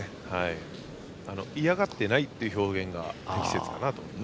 嫌がってないという表現が適切かなと思います。